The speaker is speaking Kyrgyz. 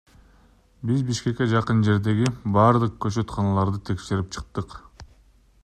Биз Бишкекке жакын жердеги бардык көчөтканаларды текшерип чыктык.